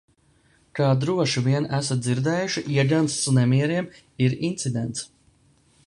Kā droši vien esat dzirdējuši – iegansts nemieriem ir incidents.